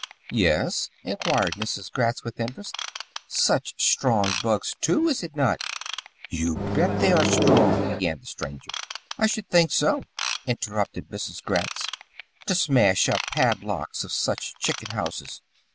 "Yes?" inquired Mrs. Gratz with interest. "Such strong bugs, too, is it not?" "You bet they are strong " began the stranger. "I should think so," interrupted Mrs. Gratz, "to smash up padlocks on such chicken houses.